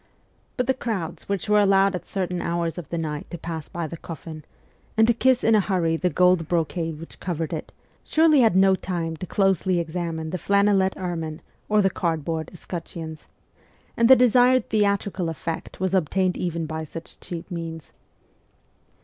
But the crowds which were allowed at certain hours of the night to THE CORPS OF PAGES 129 pass by the coffin, and to kiss in a hurry the gold brocade which covered it, surely had no time to closely examine the flannelette ermine or the cardboard escutcheons, and the desired theatrical effect was obtained even by such cheap means.